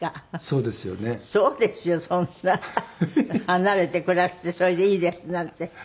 離れて暮らしてそれでいいですなんて。